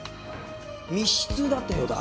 密室だったようだ